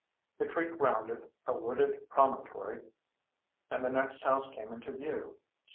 The creek rounded a wooded promontory and the next house came into view.